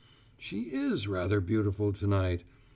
"She is rather beautiful to night.